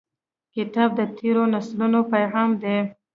کتاب د تیرو نسلونو پیغام دی.